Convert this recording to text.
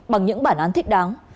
bằng những bản án thích đáng